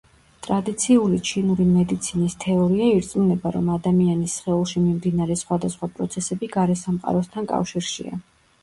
ტრადიციული ჩინური მედიცინის თეორია ირწმუნება, რომ ადამიანის სხეულში მიმდინარე სხვადასხვა პროცესები გარესამყაროსთან კავშირშია.